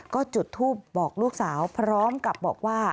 ก็จุดทูปบอกลูกสาวพร้อมกับบอกว่า